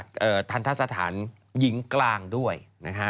แต่ทันทัศน์สถานยิงกลางด้วยนะฮะ